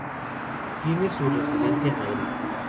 Tiene su residencia en Madrid.